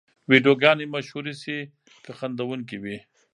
ویډیوګانې مشهورې شي که خندوونکې وي.